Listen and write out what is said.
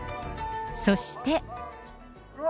そして。